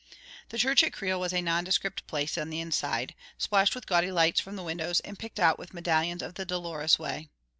The church at Creil was a nondescript place in the inside, splashed with gaudy lights from the windows, and picked out with medallions of the Dolorous Way.